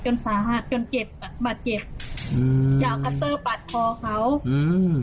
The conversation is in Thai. สาหัสจนเจ็บอ่ะบาดเจ็บอืมจะเอาคัตเตอร์ปาดคอเขาอืม